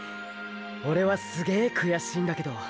オレはすげーくやしいんだけど？